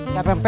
siapa yang pa